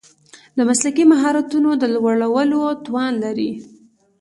د مسلکي مهارتونو د لوړولو توان لري.